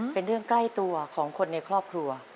เป็นเรื่องใกล้ตัวของคนในครอบครัว